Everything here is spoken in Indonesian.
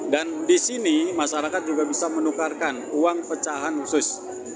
dan disini masyarakat juga bisa menukarkan uang pecahan khusus tujuh puluh lima